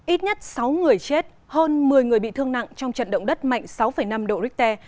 ít nhất sáu người chết hơn một mươi người bị thương nặng trong trận động đất mạnh sáu năm độ richter